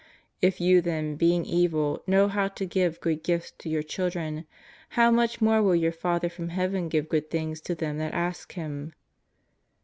If you then being evil know how to give good gifts to your children, how much more will your Father from Heaven give good things to them that ask Him."